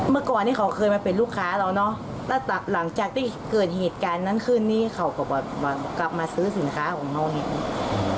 เมื่อก่อนนี้เขาเคยมาเป็นลูกค้าเราเนอะแล้วหลังจากที่เกิดเหตุการณ์นั้นคืนนี้เขาก็กลับมาซื้อสินค้าของเราเนี่ย